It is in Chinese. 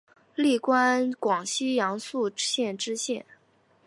历官广西阳朔县知县。